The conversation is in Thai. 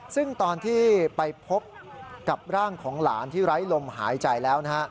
ซึ่งตอนที่ไปพบกับร่างของหลานที่ไร้ลมหายใจแล้วนะฮะ